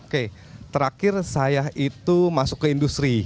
oke terakhir saya itu masuk ke industri